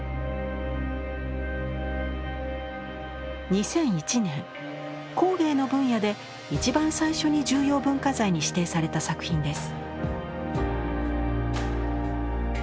２００１年工芸の分野で一番最初に重要文化財に指定された作品です。